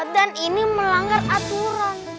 dan ini melanggar aturan